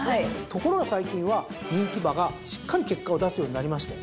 ところが最近は人気馬がしっかり結果を出すようになりまして。